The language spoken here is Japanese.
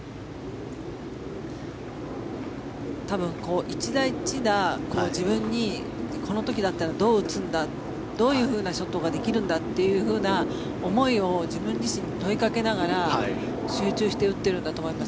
多分、一打一打自分にこの時だったらどう打つんだどういうショットができるんだというふうな思いを自分自身に問いかけながら集中して打ってるんだと思います。